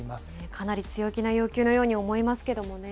かなり強気な要求のように思いますけどもね。